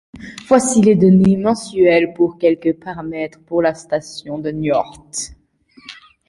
Voici les données mensuelles pour quelques paramètres pour la station de Niort.